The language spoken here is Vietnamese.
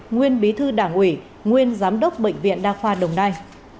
nguyên bí thư đảng ủy nguyên giám đốc bệnh viện đa khoa đồng nai